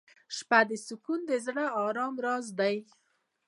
• د شپې سکون د زړه د ارام راز دی.